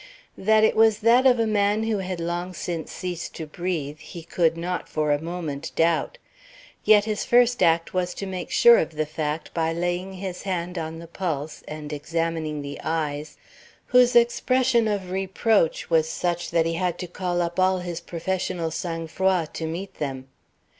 That it was that of a man who had long since ceased to breathe he could not for a moment doubt; yet his first act was to make sure of the fact by laying his hand on the pulse and examining the eyes, whose expression of reproach was such that he had to call up all his professional sangfroid to meet them.